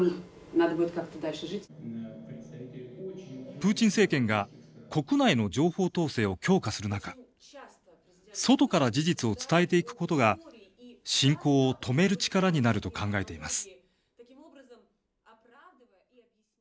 プーチン政権が国内の情報統制を強化する中外から事実を伝えていくことが侵攻を止める力になると考えています。